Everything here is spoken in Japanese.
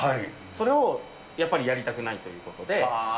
それをやっぱりやりたくないということで。